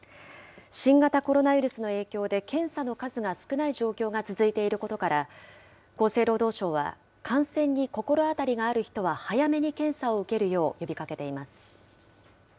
新型コロナウイルスの影響で、検査の数が少ない状況が続いていることから、厚生労働省は、感染に心当たりがある人は早めに検査を受けるよう呼びかけています。